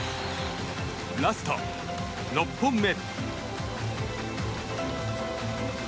ラスト６本目。